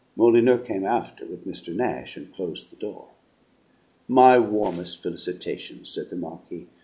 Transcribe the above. Molyneux came after, with Mr. Nash, and closed the door. "My warmest felicitations," said the Marquis.